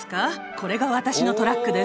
これが私のトラックです。